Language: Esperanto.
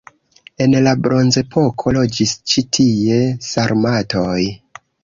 En la bronzepoko loĝis ĉi tie sarmatoj.